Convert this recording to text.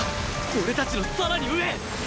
俺たちのさらに上！？